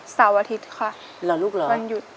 เสาร์อาทิตย์ค่ะวันหยุดใช่ค่ะลูกเหรอ